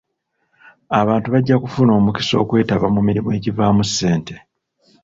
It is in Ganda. Abantu bajja kufuna omukisa okwetaba mu mirimu egivaamu ssente.